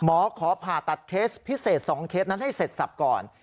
ขอผ่าตัดเคสพิเศษ๒เคสนั้นให้เสร็จสับก่อน